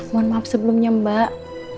mohon maaf sebelumnya mbak